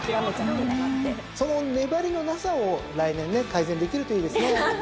その粘りのなさを来年ね改善できるといいですね。